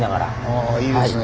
あいいですね。